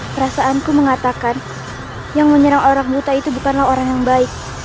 perasaanku mengatakan yang menyerang orang buta itu bukanlah orang yang baik